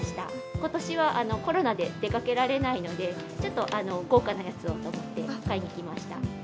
ことしはコロナで出かけられないので、ちょっと豪華なやつをと思って買いに来ました。